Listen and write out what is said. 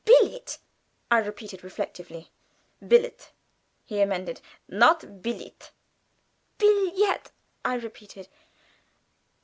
Billet," I repeated reflectively. "Bil_let_," he amended; "not _Bil_lit." "Bill yet Bill yet," I repeated.